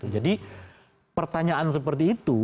jadi pertanyaan seperti itu